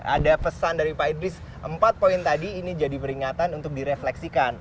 ada pesan dari pak idris empat poin tadi ini jadi peringatan untuk direfleksikan